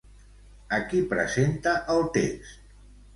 A qui presenta el text?